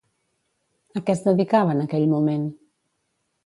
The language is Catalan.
A què es dedicava en aquell moment?